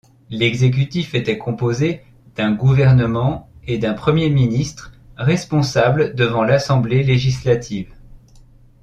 L'exécutif était composé d'un gouvernement et d'un premier ministre responsables devant l'assemblée législative.